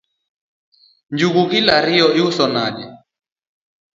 Njugu kilo ariyo iuso nade?